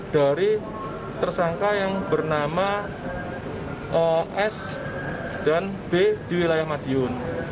dari tersangka yang bernama os dan b di wilayah madiun